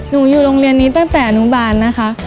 หนูอยู่โรงเรียนนี้ตั้งแต่หนูบ้านนะครับ